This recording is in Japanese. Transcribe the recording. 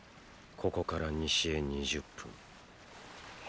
ここから西へ２０分。